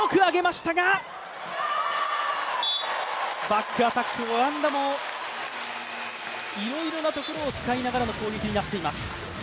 バックアタック、オランダもいろんなところを使いながらの攻撃となっています。